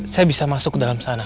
saya bisa masuk ke dalam sana